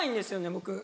僕。